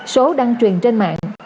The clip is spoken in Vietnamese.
số đăng truyền trên mạng